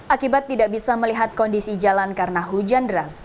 akibat tidak bisa melihat kondisi jalan karena hujan deras